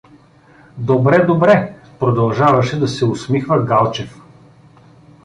— Добре, добре — продължаваше да се усмихва Галчев.